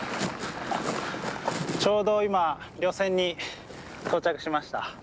ちょうど今稜線に到着しました。